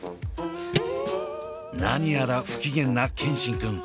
何やら不機嫌な健新くん。